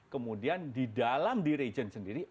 kemudian di dalam di region sendiri